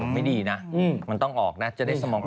ไม่ดีนะมันต้องออกนะจะได้สมอง